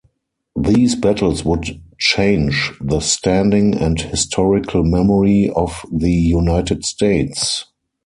These battles would change the standing and historical memory of the United States.